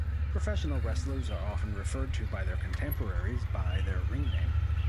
Professional wrestlers are often referred to by their contemporaries by their ring name.